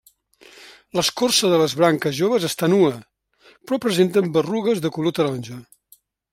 L'escorça de les branques joves està nua, però presenten berrugues de color taronja.